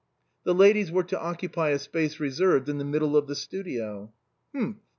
The ladies were to occupy a space reserved in the middle of the studio. " Humph !